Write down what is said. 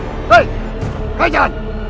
hei ga jalan